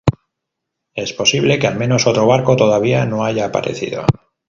Es posible que al menos otro barco todavía no haya aparecido.